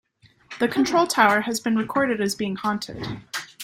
The control tower has been recorded as being haunted.